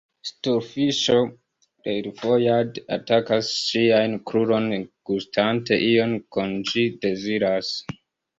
Stultfiŝo refojade atakas ŝian kruron, gustante ion, kion ĝi deziras.